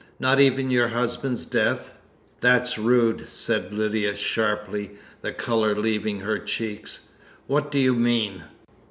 "Not even your husband's death?" "That's rude!" said Lydia sharply, the colour leaving her cheek. "What do you mean?